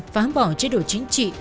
phá bỏ chế độ chính trị